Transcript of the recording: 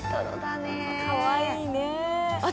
かわいいね。